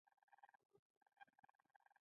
د تشنج او بحران پیاوړې مافیا به هڅه وکړي.